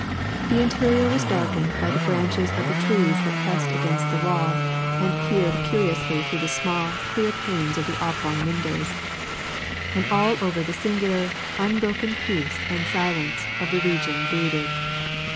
The interior was darkened by the branches of the trees that pressed against the wall and peered curiously through the small, clear panes of the oblong windows; and over all the singular, unbroken peace and silence of the region brooded.